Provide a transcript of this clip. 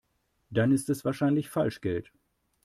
Dann ist es wahrscheinlich Falschgeld.